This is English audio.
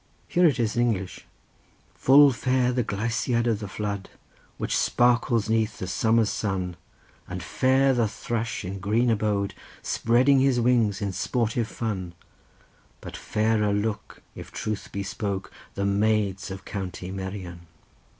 Here it is in English: "'Full fair the gleisiad in the flood, Which sparkles 'neath the summer's sun, And fair the thrush in green abode Spreading his wings in sportive fun, But fairer look if truth be spoke, The maids of County Merion.